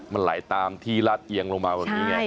มันไหลตามที่ลาดเอียงลงมาแบบนี้ไง